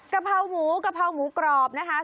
กะเพราหมูกะเพราหมูกรอบนะคะ